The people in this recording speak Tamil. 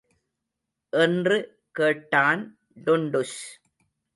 என்று கேட்டான் டுன்டுஷ்.